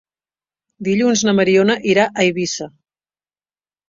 Dilluns na Mariona irà a Eivissa.